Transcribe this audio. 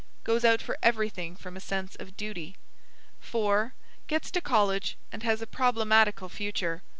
Goes out for everything from a sense of duty. 4. Gets to college and has a problematical future.